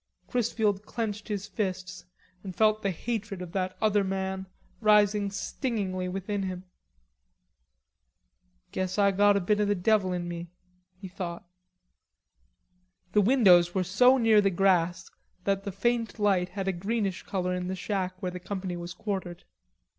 Chrisfield clenched his fists and felt the hatred of that other man rising stingingly within him. "Guess Ah got a bit of the devil in me," he thought. The windows were so near the grass that the faint light had a greenish color in the shack where the company was quartered.